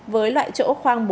với loại chỗ khoản